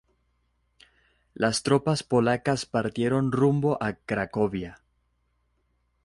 Las tropas polacas partieron rumbo a Cracovia.